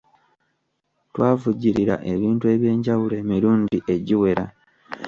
Twavujjurira ebintu ebyenjawulo emirundi egiwera.